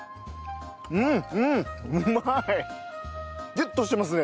ギュッとしてますね